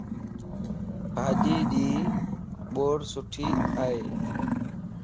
ڀاڄيءَ جي ٻورسٺي ائي